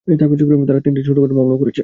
তারা তিনটা ছোটখাটো মামলাও করেছে।